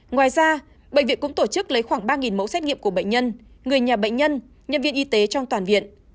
ngoài ra bệnh viện cũng tổ chức lấy khoảng ba mẫu xét nghiệm của bệnh nhân người nhà bệnh nhân nhân viên y tế trong toàn viện